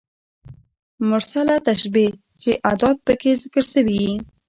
مرسله تشبېه چي ادات پکښي ذکر سوي يي.